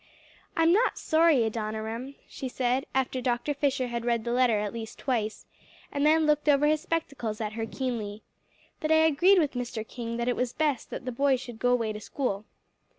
"I'm not sorry, Adoniram," she said, after Dr. Fisher had read the letter at least twice, and then looked over his spectacles at her keenly, "that I agreed with Mr. King that it was best that the boys should go away to school."